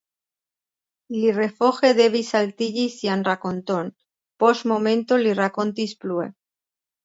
Li refoje devis haltigi sian rakonton; post momento li rakontis plue.